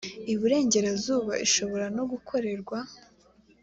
iburengerazuba ishobora no gukorerwa